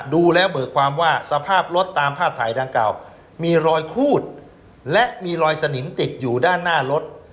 ดูแล้วเบิกความว่าสภาพรถตามภาพถ่ายดังกล่าวมีรอยครูดและมีรอยสนิมติดอยู่ด้านหน้ารถ